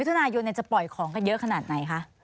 ทุนายนจะปล่อยของกันเยอะขนาดไหนคะ